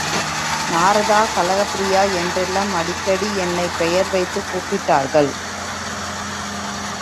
நாரதா, கலகப் பிரியா என்றெல்லாம் அடிக்கடி என்னைப் பெயர் வைத்துக் கூப்பிட்டார்கள்.